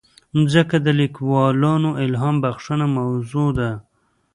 مځکه د لیکوالو الهامبخښه موضوع ده.